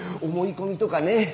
思い込みとかね。